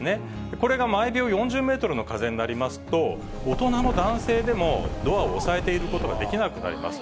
これが毎秒４０メートルの風になりますと、大人の男性でも、ドアを押さえていることができなくなります。